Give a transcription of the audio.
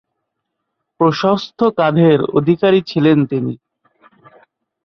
প্রশস্ত কাঁধের অধিকারী ছিলেন তিনি।